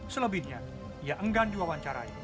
selebihnya ia enggan diwawancarai